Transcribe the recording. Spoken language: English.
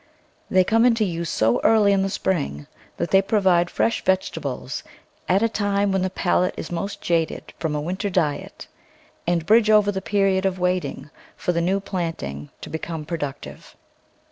They come into use so early in the spring that they provide fresh vegetables at a time when the palate is most jaded from a winter diet and bridge over the period of waiting for the new planting to become productive.